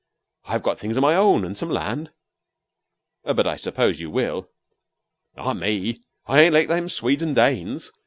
I've got things o' my own and some land." "But I suppose you will " "Not me. I ain't like them Swedes an' Danes.